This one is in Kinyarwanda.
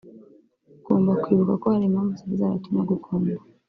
ugomba kwibuka ko hari impamvu zari zaratumye agukunda